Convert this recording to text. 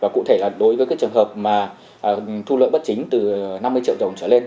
cụ thể là đối với trường hợp thu lợi bất chính từ năm mươi triệu đồng trở lên